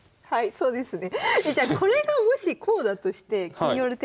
そうですね。